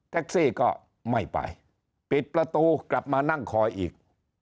ซี่ก็ไม่ไปปิดประตูกลับมานั่งคอยอีก